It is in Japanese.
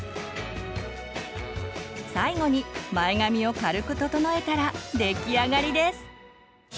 最後に前髪を軽く整えたら出来上がりです。